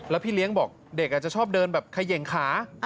พี่เลี้ยงบอกเด็กอาจจะชอบเดินแบบเขย่งขา